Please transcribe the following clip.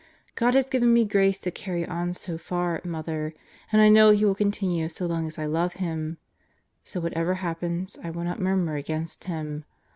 God has given me grace to carry on so far, Mother, and I know He will continue so long as I love Him. So whatever happens I will not murmur against Him.